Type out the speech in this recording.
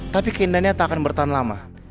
tapi keindahannya tak akan bertahan lama